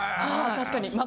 確かに。